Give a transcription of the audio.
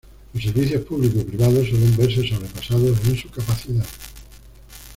Los servicios públicos y privados suelen verse sobrepasados en su capacidad.